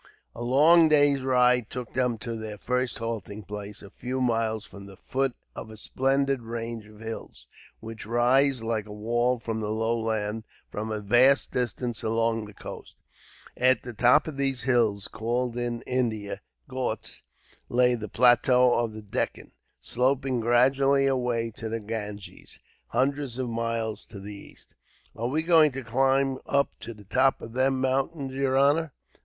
A long day's ride took them to their first halting place, a few miles from the foot of a splendid range of hills, which rise like a wall from the low land, for a vast distance along the coast. At the top of these hills called in India, ghauts lay the plateau of the Deccan, sloping gradually away to the Ganges, hundreds of miles to the east. "Are we going to climb up to top of them mountains, your honor?"